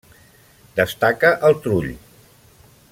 Destaca el trull.